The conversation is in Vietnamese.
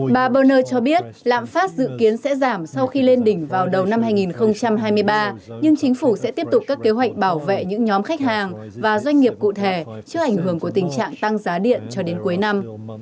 bà berner cho biết lãm phát dự kiến sẽ giảm sau khi lên đỉnh vào đầu năm hai nghìn hai mươi ba nhưng chính phủ sẽ tiếp tục các kế hoạch bảo vệ những nhóm khách hàng và doanh nghiệp cụ thể trước ảnh hưởng của tình trạng tăng giá điện cho đến cuối năm